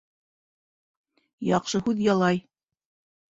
Яҡшы һүҙ ялай